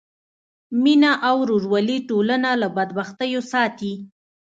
مینه او ورورولي ټولنه له بدبختیو ساتي.